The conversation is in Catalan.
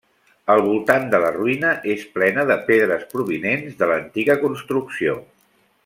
El voltant de la ruïna és plena de pedres provinents de l'antiga construcció.